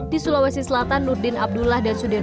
di sulawesi selatan nurdin abdullah dan sudirman